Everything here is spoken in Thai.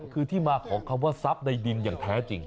คือที่มาของคำว่าทรัพย์ในดินอย่างแท้จริง